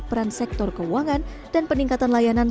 peran sektor keuangan dan peningkatan layanan